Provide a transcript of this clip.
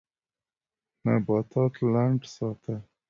نباتات لند ساته.